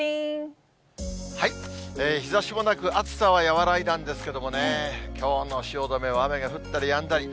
日ざしもなく、暑さは和らいだんですけれども、きょうの汐留は雨が降ったりやんだり。